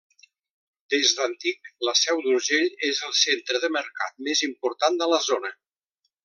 Des d'antic la Seu d'Urgell és el centre de mercat més important de la zona.